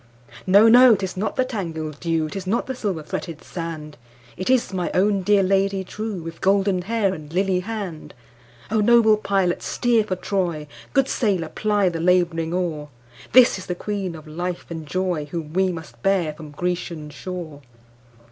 No! no! 'tis not the tangled dew,'Tis not the silver fretted sand, It is my own dear Lady trueWith golden hair and lily hand!O noble pilot steer for Troy, Good sailor ply the labouring oar, This is the Queen of life and joyWhom we must bear from Grecian shore!